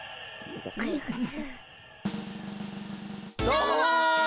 どうも！